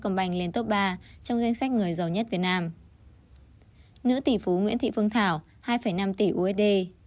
nữ tỷ phú nguyễn thị phương thảo hai năm tỷ usd